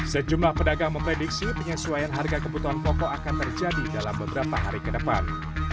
sejumlah pedagang memprediksi penyesuaian harga kebutuhan pokok akan terjadi dalam beberapa hari ke depan